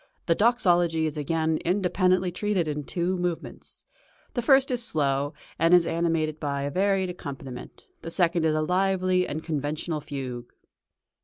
The Doxology is again independently treated in two movements. The first is slow, and is animated by a varied accompaniment; the second is a lively and conventional fugue.